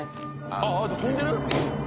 あっ飛んでる？